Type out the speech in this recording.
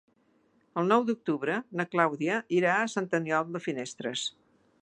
El nou d'octubre na Clàudia irà a Sant Aniol de Finestres.